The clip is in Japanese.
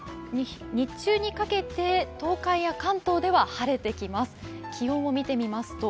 日中にかけて東海や関東では晴れてきます。